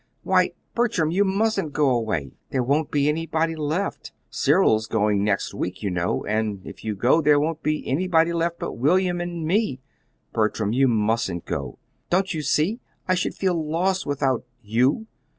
Why, Bertram, you mustn't go away! There won't be anybody left. Cyril's going next week, you know; and if you go there won't be anybody left but William and me. Bertram, you mustn't go; don't you see? I should feel lost without you!"